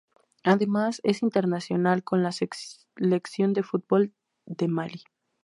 Además es internacional con la selección de fútbol de Malí.